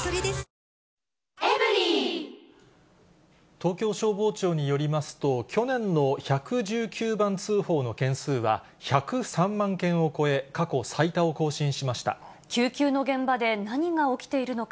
東京消防庁によりますと、去年の１１９番通報の件数は１０３万件を超え、過去最多を更救急の現場で何が起きているのか。